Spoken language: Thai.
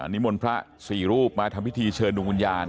นิมนต์พระสี่รูปมาทำพิธีเชิญดุงวนยาล